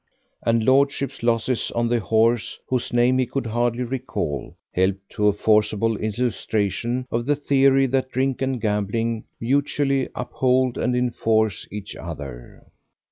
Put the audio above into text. And lordship's losses on the horse whose name he could hardly recall helped to a forcible illustration of the theory that drink and gambling mutually uphold and enforce each other.